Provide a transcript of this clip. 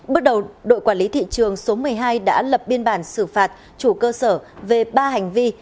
bước đầu đội quản lý thị trường số một mươi hai đã lập biên bản xử phạt chủ cơ sở về ba hành vi